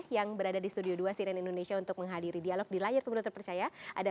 yang berada di studio dua siren indonesia untuk menghadiri dialog di layar pemilu terpercaya ada